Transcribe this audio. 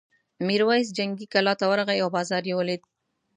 میرويس جنګي کلا ته ورغی او بازار یې ولید.